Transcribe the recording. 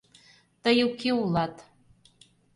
Тый уке улат.